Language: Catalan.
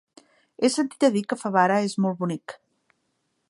He sentit a dir que Favara és molt bonic.